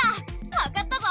わかったぞ！